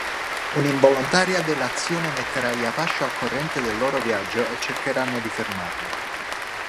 Un'involontaria delazione metterà gli Apache al corrente del loro viaggio e cercheranno di fermarli.